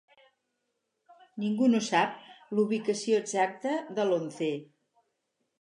Ningú no sap l'ubicació exacta de l'Once.